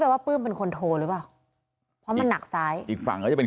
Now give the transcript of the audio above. ว่าปลื้มเป็นคนโทรหรือเปล่าเพราะมันหนักซ้ายอีกฝั่งก็จะเป็น